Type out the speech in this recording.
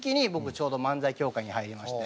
ちょうど漫才協会に入りまして。